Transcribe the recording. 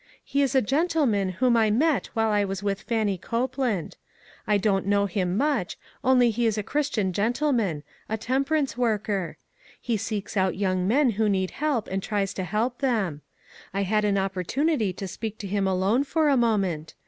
He is a gentleman whom I met while I was with Fannie Copeland. I don't know him much, only he is a Christian gentleman — a tem perance worker. He seeks out young men who need help, and tries to help them. I had an opportunity to speak to him alone for a moment.